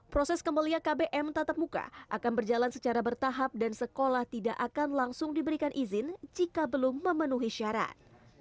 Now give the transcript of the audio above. proses kembali kbm tatap muka akan berjalan secara bertahap dan sekolah tidak akan langsung diberikan izin jika belum memenuhi syarat